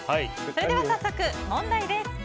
それでは早速、問題です。